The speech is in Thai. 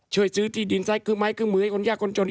ช่วยซื้อที่ดินใส้คือไหมของมือให้คนยากคนจน